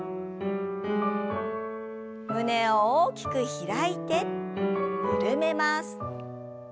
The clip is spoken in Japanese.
胸を大きく開いて緩めます。